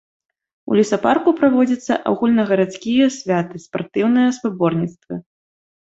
У лесапарку праводзяцца агульнагарадскія святы, спартыўныя спаборніцтвы.